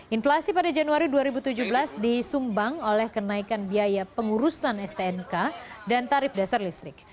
inflasi pada januari dua ribu tujuh belas disumbang oleh kenaikan biaya pengurusan stnk dan tarif dasar listrik